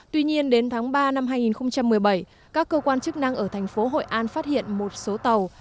tuy nhiên đến tháng ba năm hai nghìn một mươi bảy các cơ quan chức năng ở thành phố hội an phát hiện một số tàu